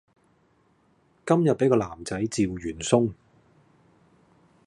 今日俾個男仔趙完鬆